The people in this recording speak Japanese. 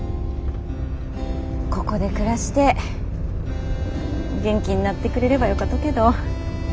ここで暮らして元気になってくれればよかとけど。